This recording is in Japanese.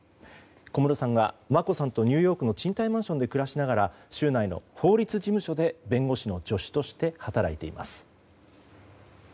小室さんは、眞子さんとニューヨークの賃貸マンションで暮らしながら州内の法律事務所で弁護士の助手として働いています。